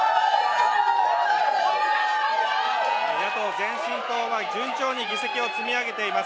野党・前進党は順調に議席を積み上げています。